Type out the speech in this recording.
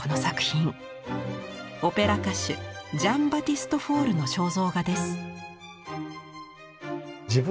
オペラ歌手ジャン＝バティスト・フォールの肖像画です。